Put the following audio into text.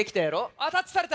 あっタッチされた。